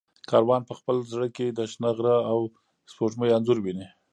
کاروان په خپل زړه کې د شنه غره او سپوږمۍ انځور ویني.